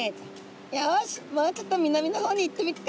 よしもうちょっと南の方に行ってみっか！」。